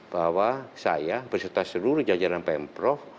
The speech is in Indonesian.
bahwa saya berserta seluruh jajaran pm prof